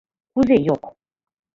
— Кузе йок?